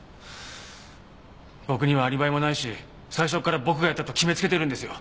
僕にはアリバイもないし最初から僕がやったと決め付けてるんですよ。